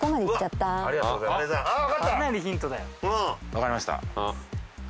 分かりました。